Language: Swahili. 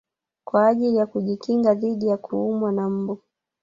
Kwa ajili ya kujikinga dhidi ya kuumwa na mbu